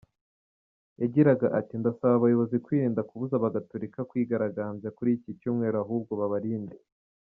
Yagiraga ati “Ndasaba abayobozi kwirinda kubuza abagatolika kwigaragarambya kuri iki Cyumweru ahubwo babarinde.